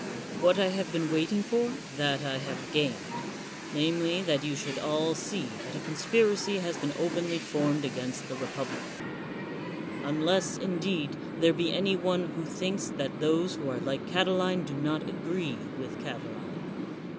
What I have been waiting for, that I have gained — ^namely, that you should all see that a conspiracy has been openly formed against the republic; unless, indeed, there be any one who thinks that those who are like Catiline do not agree with Catiline.